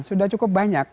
sudah cukup banyak